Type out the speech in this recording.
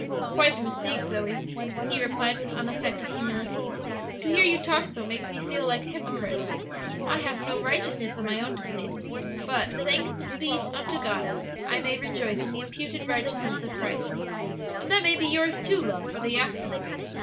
"Quite a mistake, Zoe," he replied, with unaffected humility; "to hear you talk so makes me feel like a hypocrite. I haves no righteousness of my own to plead, but, thanks be unto God, I may rejoice in the imputed righteousness of Christ! And that may be yours, too, love, for the asking.